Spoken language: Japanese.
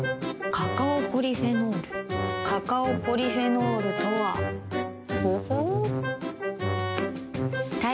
カカオポリフェノールカカオポリフェノールとはほほう。